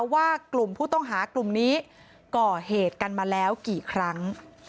ว่ากลุ่มผู้ต้องหากลุ่มนี้ก่อเหตุกันมาแล้วกี่ครั้ง